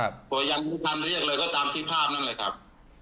เพราะยังไม่ทันเรียกเลยก็ตามที่ภาพนั่นแหละครับ